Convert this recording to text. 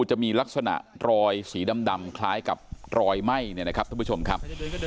จะมีลักษณะรอยสีดำคล้ายกับรอยไหม้เนี่ยนะครับท่านผู้ชมครับ